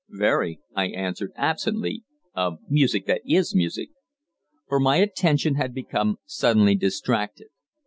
"Very," I answered absently, "of music that is music." For my attention had become suddenly distracted.